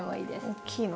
大きいの。